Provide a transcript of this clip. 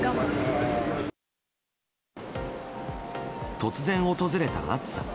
突然訪れた暑さ。